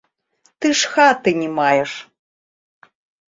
Ты ж хаты не маеш.